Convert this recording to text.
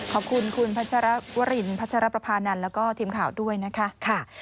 ขอบคุณคุณพัชรวรินพัชรประพานันแล้วก็ทีมข่าวด้วยนะคะ